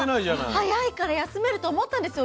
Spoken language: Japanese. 朝早いから休めると思ったんですよ